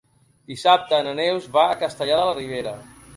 Dissabte na Neus va a Castellar de la Ribera.